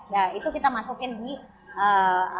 nah itu kita masukin di ruu p dua sk ini